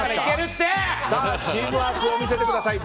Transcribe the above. チームワークを見せてください。